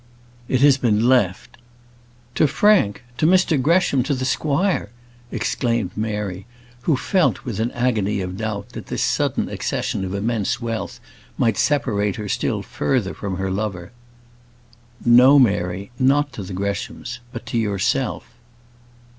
"It has been left " "To Frank! to Mr Gresham, to the squire!" exclaimed Mary, who felt, with an agony of doubt, that this sudden accession of immense wealth might separate her still further from her lover. "No, Mary, not to the Greshams; but to yourself."